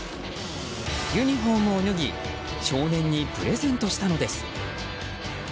ユニホームを脱ぎ少年にプレゼントしたのです。